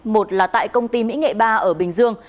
một là tại công ty mỹ nghệ ba ở bình dương